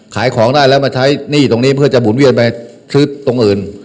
ขายของได้แล้วมาใช้หนี้ตรงนี้เพื่อจะหุ่นเวียนไปซื้อตรงอื่น